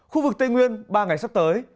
khu vực tây nguyên ba ngày sắp tới